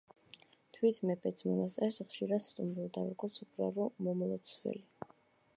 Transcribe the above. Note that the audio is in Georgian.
თვით მეფეც, მონასტერს ხშირად სტუმრობდა როგორც უბრალო მომლოცველი.